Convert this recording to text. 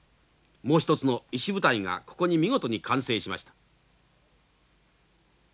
もう一つの石舞台がここに見事に完成しました。